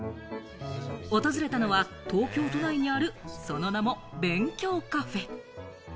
訪れたのは東京都内にある、その名も勉強カフェ。